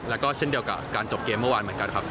แล้วก็เช่นเดียวกับการจบเกมเมื่อวานเหมือนกันครับ